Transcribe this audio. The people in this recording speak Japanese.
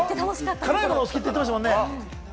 辛いものがお好きって言ってましたもんね。